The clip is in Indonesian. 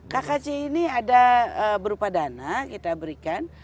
kkc ini ada berupa dana kita berikan